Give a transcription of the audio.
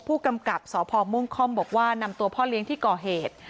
ผู้กำกับสพม่วงค่อมบอกว่านำตัวพ่อเลี้ยงที่ก่อเหตุ